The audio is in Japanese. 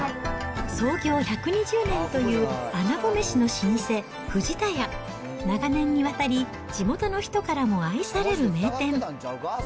創業１２０年というあなごめしの老舗、ふじたや、長年にわたり、地元の人からも愛される名店。